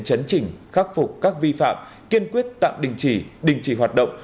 chấn chỉnh khắc phục các vi phạm kiên quyết tạm đình chỉ đình chỉ hoạt động